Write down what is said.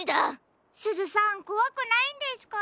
すずさんこわくないんですか？